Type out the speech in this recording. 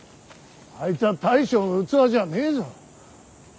あいつは大将の器じゃねえぞ。